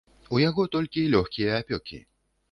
У яго толькі лёгкія апёкі.